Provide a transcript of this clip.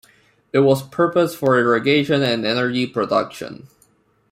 It was purposed for irrigation and energy production.